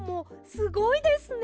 すごいですね！